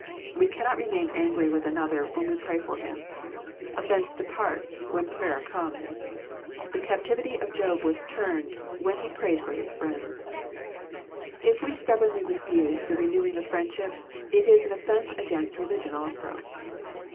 We cannot remain angry with another, when we pray for him. Offence departs, when prayer comes. The captivity of Job was turned, when he prayed for his friends. If we stubbornly refuse the renewing of friendship, it is an offence against re ligion also.